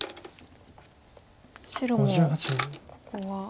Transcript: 白もここは。